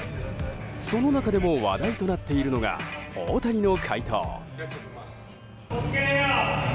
その中でも話題となっているのが大谷の回答。